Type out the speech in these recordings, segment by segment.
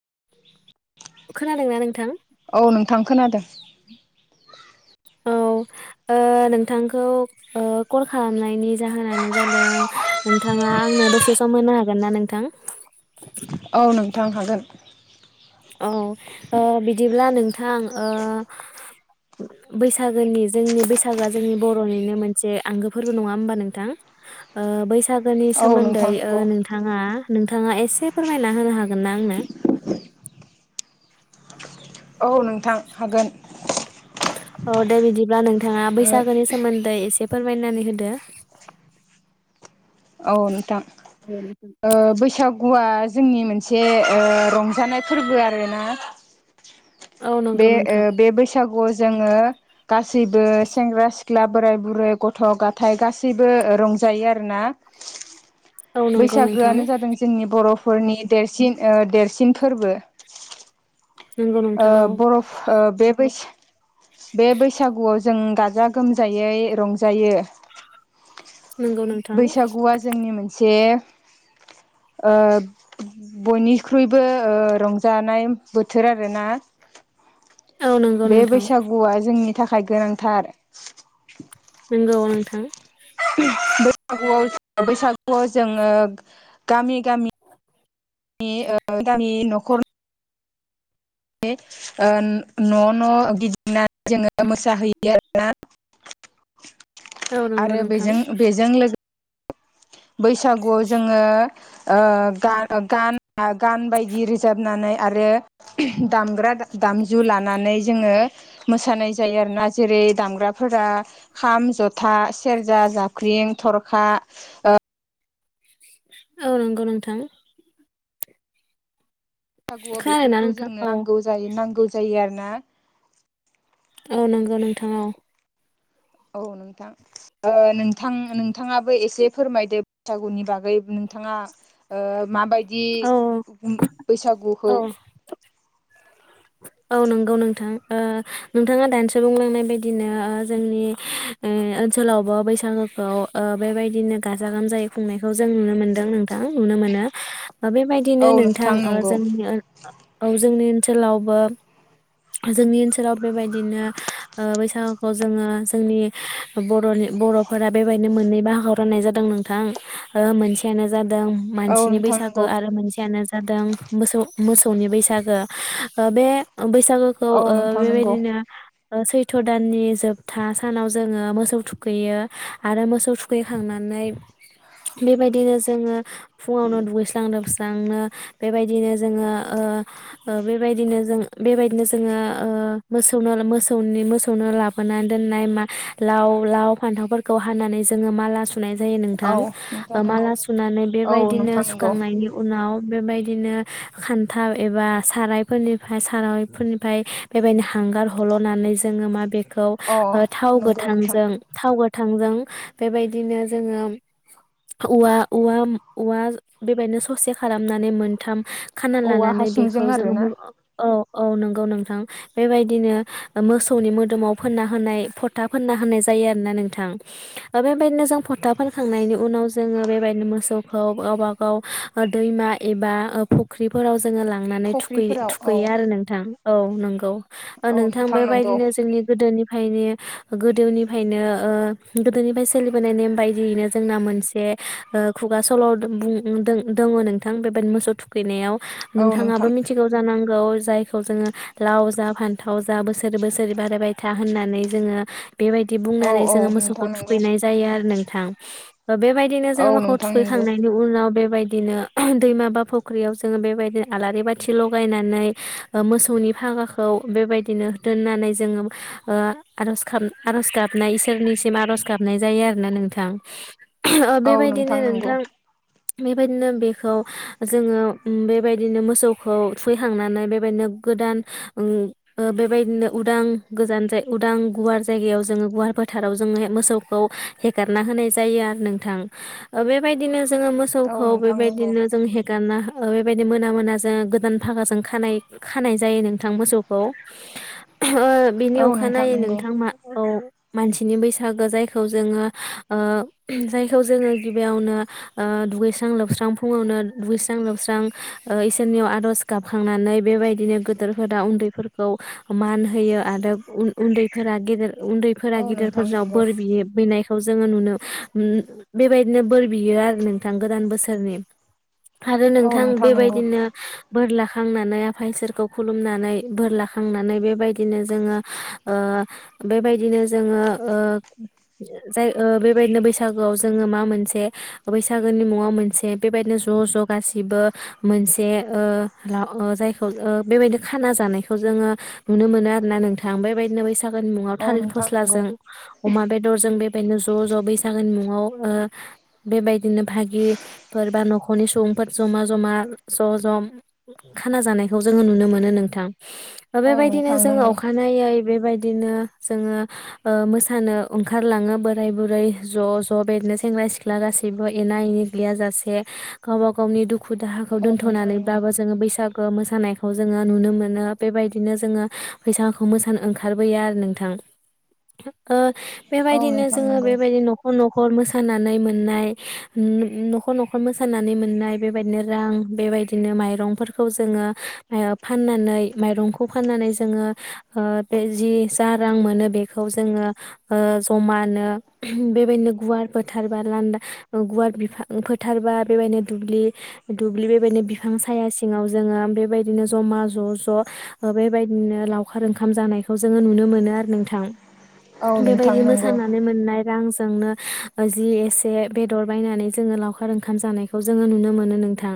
[inaudible] खोनादोंना नोंथां? थां खोनादों। औ। नोंथांखौ कल खालामनायनि जाहोनानो जादों नोंथाङा आं दसे सम होनो हागोन ना नोंथां औ नोंथां हागोन औ बिदिब्ला नोंथां ओ बैसागोनि जोंनि बैसागोआ जोंनि बर'निनो मोनसे आंगो फोरबो नङा होमबा नोंथां बैसागोनि औ नोंथां सोमोन्दै नंगौ नोंथाङा नोंथ नोंथाङा एसे फोरमायना होनो हागोन ना आंनो औ नोंथां हागोन औ दे बिदिब्ला नोंथाङा बैसागोनि सोमोन्दै एसे फोरमायनानै होदो। औ नोंथां बैसाग गवा जोंनि मोनसे रंजानाय फोरबो आरोना औ नंगौ बे नोंथां बे बैसागुआव जोङो गासैबो सेंग्रा सिख्ला सिख्ला बोराइ बुरै गथ' गथायाइ गासैबो रंजायो आर ना औ नंगौ नोंथां बैसागोआनो जादों जोंनि बर' फोरनि देरसिन देरसिन फोरबो नंगौ ओ नोंथां औ बर' ओ बे बैसागुआव जों ग गाजा गोमजायै रंजायो। नंगौ नोंथां। हा जोंनि मोनसे [unintelligible] बयनिख्रुइबो रंजानाय बोथोर आरोना औ नंगौ बे नोंथां बैसागुआ जोंनि थाखाय गोनांथार नोंगौ नोंथां बैसागुआव बैसागुआव जोङो गामि गामि गामनि न'खर न' न' गिदिंनानै जोङो मोसाहैयो आरोना औ नंगौ आरो नोंथां बेजों बेजों लोगो बैसागुआव जोङो गान गान बायदि रोजाबनानै आरो दामग्रा दामजु लानानै जोङो मोसानाय जायो आरोना जेरै दामग्राफोरा खाम जथा सेरजा जाख्रि बें थरखा औ नंगौ नोंथां बैसागुआव खोनादोंना बेफोरखौ नोंथां जोंनो औ नांगौ जायो नांगौ जायो आरोना औ नंगौ नोंथां औ औ नोंथां नोंथां नोंथाङाबो एसे फोरमायदो बैसागुनि बागै नोंथाङा माबायदि औ औ बैसागुखौ [unintelligible] औ नंगौ नोंथां नोंथाङा दानोसो बुंलांनाय बायदिनो जोंनि बे ओनसोलावबो बैसागोखौ बेबायदिनो गाजा गोमजायै खुंनायखौ जों नुनो मोन्दों नोंथां नुनो मोनो औ बेबायदिनो नोंथां नंगौ जोंनि औ जोंनि ओनसोलावबो जोंनि ओनसोलाव बेबायदिनो बैसागुखौ जोङो जोंनि बर'नि बर'फोरा बेबायदिनो मोननै बाहागखौ राननाय जादों नोंथां मोनसेयानो जादों औ मानसिनि नोंथां बैसागो नंगौ आरो मोनसे आनो जादों मोसौ मोसौनि बैसागो बे बैसागोखौ औ ओ नोंथां नंगौ बेबायदिनो ओ सैथ' दाननि जोबथा सानाव जोङो मोसौ थुखैयो आरो मोसौ थुखैखांना नै बेबायदिनो जोङो फुङावनो दुगैस्रां लोबस्रांनो बेबायदिनो जोङो ओ बेबायदिनो जों बेबायदिनो जोङो ओ मोसौनो मोसौनि मोसौनो लाबोनानै दोननाय मा लाव लाव फान्थावफोरखौ हानानै जोङो माला सु सुनाय जायो औ नोंथां नोंथां ओ नंगौ माला सुनानै औ बेबायदिनो नोंथां नंगौ सुखांनायनि उनाव बेबायदिनो खान्था एबा सारायफोरनिफ्राय सारायफोरनिफ्राय बेबायदिनो हां हांगार हल'नानै जों मा बेखौ अ थाव नंगौ नोंथां गोथांजों थाव गो थांजों बेबायदिनो जोङो औवा औवा औवा बेबायदिनो ससे खालामनानै मोनथाम खाना औवा लानानै बेखौ हासुंजों जोङो आरोना मो औ औ नंगौ नोंथां बेबायदिनो मोसौनि मोदोमाव फोनना होनाय फथा फोनना होनाय जायो यो आरोना नोंथां बेबादिनो जों फथा फोनखांनायनि उनाव जोंङो बेबादिनो मोसौ खौ गावब गाव दैमा एबा फुख्रिफोराव जोङो लांनानै फुख्रिफोराव औ थुखै-थुखैयो आरो नोंथां औ नंगौ। ओ औ नोंथां नंगौ बेबायदिनो जोंनि गोदोनिफ्रायनो गोदोनिफ्रायनो ओ गोदोनिफ्राय सोलिबोनाय नेम बायदियैनो जोंना मोनसे ओ खुगा सल' दों-बुं दों-दोंङो नोंथां बेबायदि मोसौ थुखैनायाव औ नोंथाङाबो नोंथां मिथिगौ जानांगौ जायखौ जोङो लाव जा फान्थाव जा बोसोर बोसोर बोसोरै बारायबाय था होननानै जोङो बेबायदि औ बुंनानै औ जोङो मोसौखौ नोंथां नंगौ थुखैनाय जायो आरो नोंथां बेबायदिनो औ जोङो मोखौ नोंथां नंगौ थुखैखांनायनि उनाव बेबायदिनो दैमा बा फख्रियाव जों बेबायदि आलारि बादि थगायनानै मोसौ मोसौनि फागाखौ बेबायदिनो दोननानै जोङो ओ आरज- गाब आरज गाबनाय इसोरनिसिम आर'ज गाबनाय जायो आरोना नोंथां ओ औ बेबायदिनो नंगौ नोंथां बेबायदिनो बेखौ जोङो उम बेबायदिनो मोसौखौ थुैखैखांनानै बेबायदिनो गोदान ओ बेबायदिनो उदां गोजान उदां गुवार जायगायाव जोङो गुवार फोथाराव जोंङो मोसौखौ हेगारना होनाय जायो‌ आरो‌ नोंथां ओ बे बायदिनो जोङो औ मोसौखौ नोंथां नंगौ बेबायदिनो जों हेगारना ओ बेबायदि मोना मोनाजों गोदान फागाजों खानाय- खानाय जायो नोंथां मोसौखौ। ओ बिनि औ अखानायै नंगौ नोंथां मा औ मानसिनि बैसागो जायखौ जोङो जायखौ ओ जायखौ जोङो गिबियावनो ओ दुगैस्रां लोबस्रां फुङावनो दुगैस्रां लोबस्रां इसोरनियाव आर'ज गाबखांनानै नै बेबायदिनो गेदोरफोरा उन्दैफोरखौ मान होयो आरो उन- उन्दैफोरा गेदेर उन्दैफोरा औ नोंथां गेदिरफोरनाव नंगौ बोर बियो-बिनायखौ जोङो नुनो बेबायदिनो बोर बियो आरो नोंथां गोदान बोसोरनि आरो औ नोंथां नंगौ बेबायदिनो बोर ला खांनानै आफा इसोरखौ खुलुमनानै बोर लाखांनानै बेबायदिनो जोङो ओ बेबायदिनो जोङो ओ जाय बेबायदिनो बैसागोआव जोङो मा मोनसे बैसागोनि मुङाव मोनसे बेबायदिनो ज' ज' गासिबो मोनसे ओ जायखौ बेबायदिनो खाना जानायखौ जोङो नुनो मोनो आरोना नोंथां बेबायदिनो बै बैसागोनि न'आव औ थालिर नोंथां नंगौ फास्राजों अमा बेदरजों बेबादिनो ज' ज' बैसागोनि मुङाव ओ बेबायदिनो भागिफोर बा न'खरनि सुबुंफोर जमा जमा ज' ज' खाना जानायखौ जोङो नुनो मोनो नोंथां औ बेबायदिनो नोंथां जोङो नंगौ अखानायै बेबायदि बिदिनो जोङो मोसानो ओंखारलाङो बोराय बुरै ज' ज' बेदिनो सेंग्रा सिख्ला गासिबो एनि जोंनि गैया जासे गावबा गावनि दुखु दाहा खौ औ नोंथां नंगौ दोनथ'नानैब्लाबो जोङो बैसाग गो मोसानायखौ जोङो नुनो मोनो बेबायदिनो जोङो फैसाखौ मोसानो ओंखारबोयो आरो नोंथां औ बेबायदिनो नोंथां जोङो नंगौ बेबायदिनो न'खर न'खर मोसानानै नाय नो नखर नखर मोसानानै मोननाय बेबायदिनो रां बेबायदिनो माइरंफोर खौ जोङो माया फाननानै मायरंखौ जोङो ओ जे जि‌ जा रां‌ मोनो बेखौ जोङो ओ जमानो बेबायदिनो गुवार फोथार बा लानदा गुवार बिफां फोथारबा बेबायदिनो दुब्लि दुब्लि बेबादिनो बिफां साया सिङाव जोङो बेबायदिनो जमा ज ज बेबायदिनो लावखार ओंखाम जानायखौ जोङो नुनो नुनो मोनो आरो नोंथां औ नोंथां बेबायदि नंगौ मोसानानै मोननाय रांजोंनो ओ‌ज जि एसे बेदर बायनानै जोङो लावखार ओंखाम जानायखौ जोङो नुनो मोनो नोंथां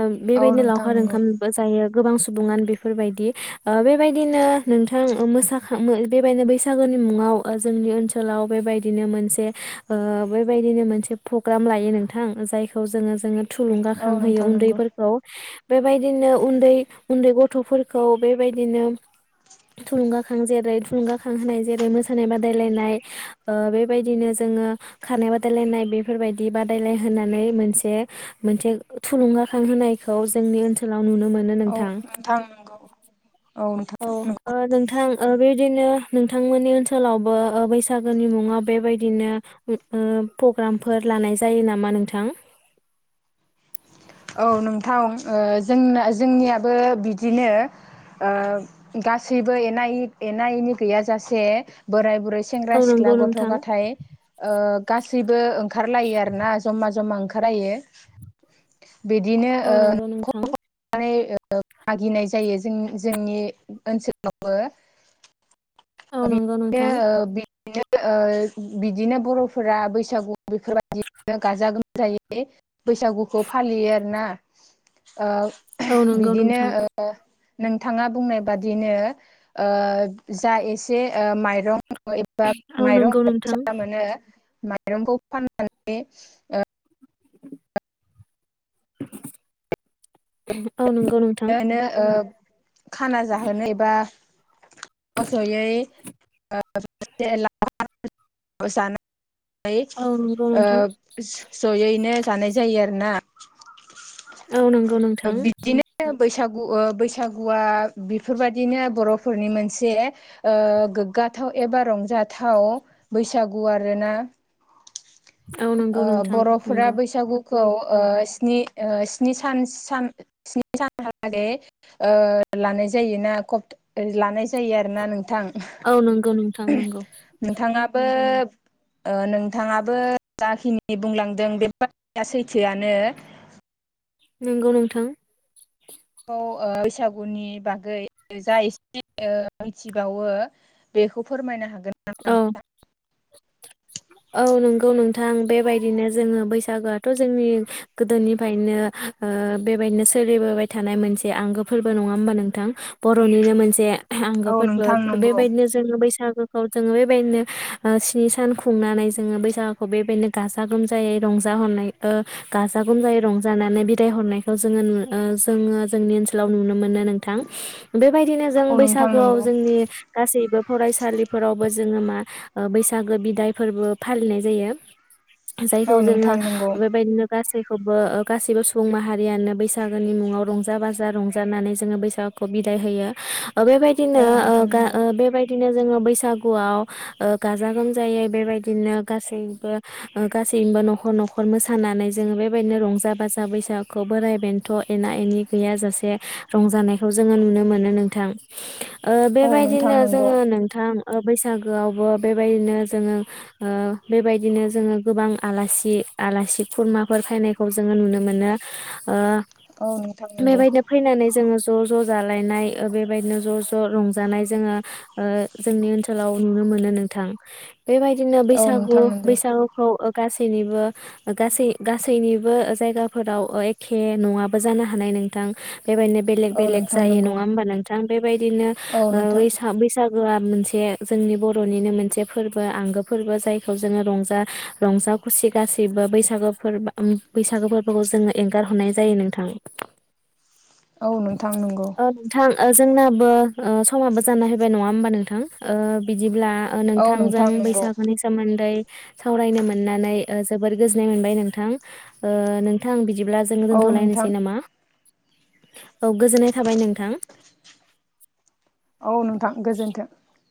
ओ औ बेबायदि नोंथां लावखार नंगौ ओंखामबो जायो गोबां सुबुङानो बेफोरबायदि ओ बेबायदिनो नोंथां मोसाखां बेबायदिनो बैसागोनि मुङाव जोंनि ओनसोलाव बेबायदिनो मोनसे ओ बेबायदिनो मोनसे पग्राम लायो नोंथां जायखौ जोङो जोङो औ थुलुंगाखांहयो नोंथां नंगौ उन्दैफोरखौ बेबायदिनो उन्दै उन्दै गथ गथफोरखौ बेबायदिनो थुलुंगाखां जेरै थुलुंगाखां होनाय जेरै मोसानाय बादायलायनाय ओ बेबायदिनो जों जोङो खारनाय बादायलायनाय बेफोरबायदि बादायलाय होनानै मोनसे मोनसे थुलुंगाखां होनाय खौ जोंनि ओनसोलाव नुनो मोनो औ नोंथां नंगौ औ ओ नोंथां ओ बेबिदिनो नोंथांमोननि ओनसोलावबो ओ बैसागोनि मुङाव बेबायदिनो पग्राम फोर लानाय जायो नामा नोंथां औ नोंथां ओ जोंना जोंनियाबो बिदिनो ओ गासैबो एना एनि गैयाजासे बोराय बुरै सेंग्रा औ नंगौ सिख्ला गथ नोंथां गाथाय ओ गासैबो ओंखार ओंखारलायो आरोना जमा जमा ओंखारलायो बिदिनो औ नंगौ ओ नोंथां नाय ओ मागिनाय जायो जोंनि ओनसोलावबो औ नंगौ नोंथां ओ बिदिनो बिदिनो बरफोरा बैसागु बेफोरबायदि गाजा गोमजायै बैसागुखौ फालियो आरो ना [inaudible] ओ औ नंगौ बिदिनो नोंथां ओ नोंथाङा बुंनाय बादिनो ओ जा एसे माइरं एबा औ माइरं नंगौ नोंथां फैसा मोनो माइरंखौ फाननानै ओ औ नंगौ नोंथां नो ओ खाना जाहोनो एबा ज जयै [unintelligible] जानो औ नंगौ नोंथां ओ जयैनो जानाय जायो आरोना औ नंगौ नों बिदिनो बैसागु ओ बैसागुआ बेफोरबादिनो बरफोरनि मोनसे ओ गोग्गा जाथाव एबा रंजाथाव बैसागु आरोना औ नंगौ ओ नोंथां बर'फोरा नंगौ बैसागु खौ ओ स्नि ओ स्नि सान सान स्नि साना लागै ओ लानाय जायोना कपत ओ लानाय जायो आरोना नोंथां औ नंगौ नोंथां नंगौ नोंथाङा बो ओ नोंथाङाबो जाखिनि बुंलांदों बे बाथ्राया सैथोआनो नोंगौ नोंथां। औ‌ ओ बैसागुनि बागै जा एसे मिथिबावो बेखौ फोरमायनो हाग औ औ नों गौ नोंथां बेबायदिनो जोङो बैसागोआथ' जोंनि गोदोनिफ्रायनो ओ बेबाय दिनो सोलिबोबाय थानाय मोनसे आंगो फोरबो नङा होमबा नोंथां बर'निनो मोनसे आंगो औ फोरबो नोंथां बे नंगौ बेबायदिनो जोङो बैसागो औ जोङो बेबायदिनो ओ स्नि सान खुंनानै जोङो बैसागुखौ बेबायदिनो गाजा गोमजायै रंजा हेगार हरनाय ओ गाजा गोमजायै रंजानानै बिदाय हरनायखौ जोङो नु ओ जोङो जोंनि ओनसोलाव नुनो मोनो नोंथां बेबायदिनो जों औ नोंथां बैसागुआव नंगौ जोंनि गासैबो फरायसालि बो जोङो मा बैसागो बिदाय फोरबो फालिनाय जायो। औ जायखौ जोङो नोंथां नंगौ बेबायदिनो गा सैखौबो ओ गासैबो सुबुं माहारियानो बैसागोनि मुङाव रंजा बाजा रंजानानै जोङो बैसागोखौ बिदाय होयो ओ औ बेबायदिनो ओ नोंथां गा नंगौ ओ बेबायदिनो जोङो बैसा गुआव ओ गाजा गोमजायै बेबायदिनो गासैनिबो ओ गासैनिबो न'खर न'खर मोसानानै जोङो बेबायदिनो रंजा बाजा बैसागुखौ बोराइ बेन्थ' एना एनि गैयाजासे रंजानायखौ जोङो नुनो मोनो नोंथां ओ औ नोंथां बेबायदिनो नंगौ जोङो नोंथां ओ बैसागोआवबो बेबायदिनो जोङो ओ बेबायदिनो जोङो गोबां आलासि आलासि खुरमाफोर फायनायखौ जोङो नुनो मोनो। ओ औ नोंथां नंगौ बेबायदिनो फैनानै जोङो ज' ज' जालायनाय ओ बेबायदिनो ज' ज' रंजानाय जोङो ओ जोंनि ओनसोलाव नुनो मोनो नोंथां बेबायदिनो औ बैसागु नोंथां नंगौ बैसागुखौ गासैनिबो ओ गासै गासैनिबो ओ जायगाफोराव ओ एखे नङाबो जानो हानाय नोंथां। बेबायदिनो बेलेग औ बेलेग नोंथां जायो नंगौ नङा होमबा नोंथां बेबायदिनो औ ओ नोंथां बैसा बैसागोआ मोनसे जोंनि बर'निनो मोनसे फोरबो आंगो फोरबो जायखौ जोङो रंजा रंजा खुसि गासैबो बैसागो फोरबो उम बैसागो फोरबोखौ जोङो एंगारहरनाय जायो नोंथां। औ नोंथां नंगौ। ओ नोंथां ओ जोंनाबो ओ समाबो जाना हैबाय नङा होमबा नोंथां ओ बिदि ब्ला ओ औ नोंथांजों नोंथां नंगौ बैसागुनि सोमोन्दै सावरायनो मोननानै ओ जोबोर गोजोननाय मोनबाय नोंथां ओ नोंथां बि दिब्ला जोङो औ नोंथां दोनथ'लायनोसै नामा? औ गोजोननाय थाबाय नोंथां। औ नोंथां गोजोन्थों।